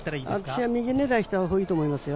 私は右狙いをしたほうがいいと思いますよ。